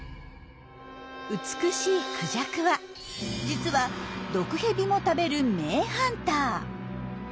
美しいクジャクは実は毒ヘビも食べる名ハンター。